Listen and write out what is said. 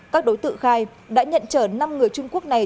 các đối tượng khai đã nhận chở năm người trung quốc này